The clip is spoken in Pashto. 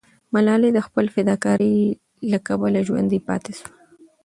ملالۍ د خپل فداکارۍ له کبله ژوندی پاتې سوه.